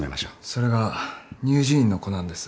それが乳児院の子なんです。